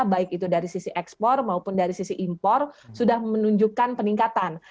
baik itu dari sisi ekspor maupun dari sisi impor sudah menunjukkan peningkatan